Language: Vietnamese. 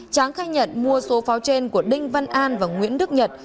tráng khai nhận mua số pháo trên của đinh văn an và nguyễn đức nhật